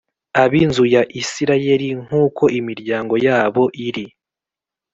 ab inzu ya Isirayeli nk uko imiryango yabo iri